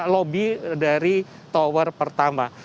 lobby dari tower pertama